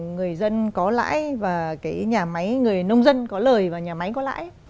người dân có lãi và cái nhà máy người nông dân có lời và nhà máy có lãi